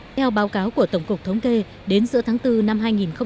theo báo cáo của tổng cục thống kê đến giữa tháng bốn năm hai nghìn hai mươi